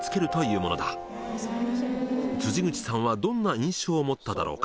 辻口さんはどんな印象を持っただろうか。